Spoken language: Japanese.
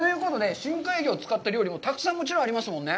ということで深海魚を使った料理もたくさんもちろんありますもんね？